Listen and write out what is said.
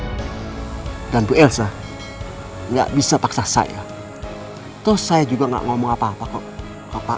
hai dan beelza enggak bisa paksa saya tuh saya juga enggak ngomong apa apa kok apa